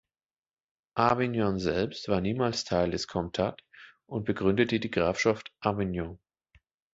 Avignon selbst war niemals Teil des Comtat und begründete die Grafschaft Avignon.